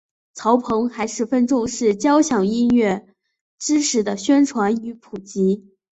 曹鹏还十分重视交响音乐知识的宣传与普及。